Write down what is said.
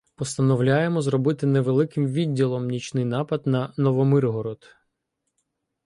Постановляємо зробити невеликим відділом нічний напад на Новомиргород.